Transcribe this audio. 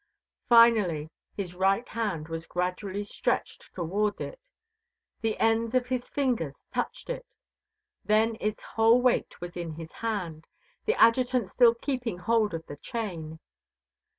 Finally, his right hand was gradually stretched toward it; the ends of his fingers touched it; then its whole weight was in his hand, the Adjutant still keeping hold of the chain.